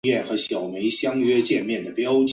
距翅麦鸡为鸻科麦鸡属的鸟类。